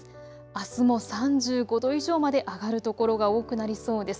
あすも３５度以上まで上がる所が多くなりそうです。